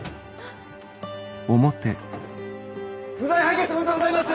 無罪判決おめでとうございます！